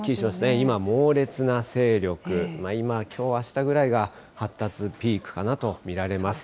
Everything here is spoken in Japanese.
今、きょう、あしたぐらいが発達ピークかなと見られます。